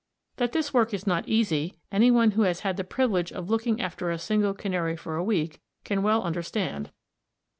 That this work is not easy, any one who has had the privilege of looking after a single canary for a week can well understand.